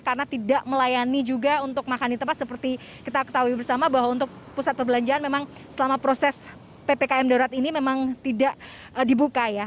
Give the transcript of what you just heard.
karena tidak melayani juga untuk makanan di tempat seperti kita ketahui bersama bahwa untuk pusat perbelanjaan memang selama proses ppkm dorat ini memang tidak dibuka ya